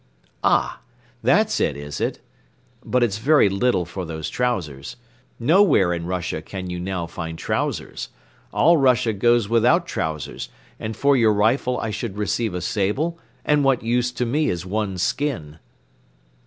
"Ah, that's it, is it? But it's very little for those trousers. Nowhere in Russia can you now find trousers. All Russia goes without trousers and for your rifle I should receive a sable and what use to me is one skin?"